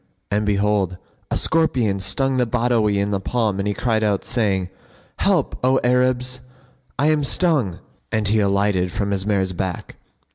And behold, a scorpion stung the Badawi in the palm and he cried out, saying, "Help, O Arabs! I am stung;" and he alighted from his mare's back.